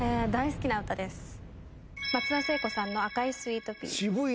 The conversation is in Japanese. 松田聖子さんの『赤いスイートピー』